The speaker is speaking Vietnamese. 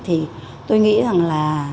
thì tôi nghĩ rằng là